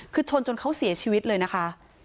คือชนจนเขาเสียชีวิตเลยนะคะ